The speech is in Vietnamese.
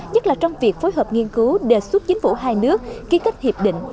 nhất là trong việc phối hợp nghiên cứu đề xuất chính phủ hai nước ký kết hiệp định